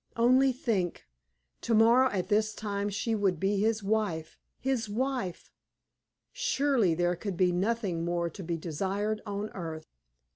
Only think, tomorrow at this time she would be his wife his wife! Surely there could be nothing more to be desired on earth.